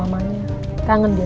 emang tuh denger